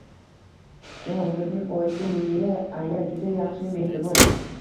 Jahongirning oyisi Munira aya juda yaxshi, mehribon